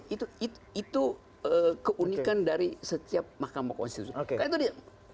itu keunikan dari setiap mahkamah konstitusi